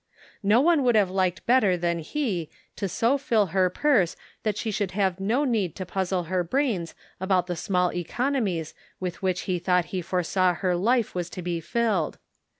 No one would have liked better than he, to so fill her purse that she should have no need to puzzle her brains about the small economies with which he thought he foresaw her life was to be filled.